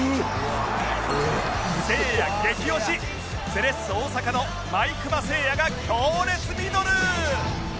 せいや激推しセレッソ大阪の毎熊晟矢が強烈ミドル！